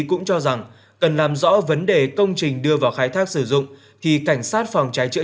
cũng cho rằng cần làm rõ vấn đề công trình đưa vào khai thác sử dụng thì cảnh sát phòng cháy chữa